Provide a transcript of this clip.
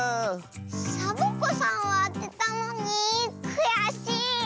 サボ子さんはあてたのにくやしい。